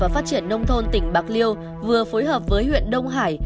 và phát triển nông thôn tỉnh bạc liêu vừa phối hợp với huyện đông hải